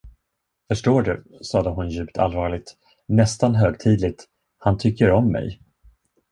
Förstår du, sade hon djupt allvarligt, nästan högtidligt, han tycker om mig.